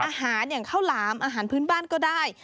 อาหารอย่างข้าวหลามอาหารพื้นบ้านก็ได้